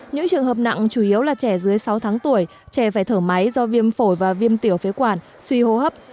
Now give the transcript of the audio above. những trường hợp nặng chủ yếu là trẻ dưới sáu tháng tuổi trẻ phải thở máy do viêm phổi và viêm tiểu phế quản suy hô hấp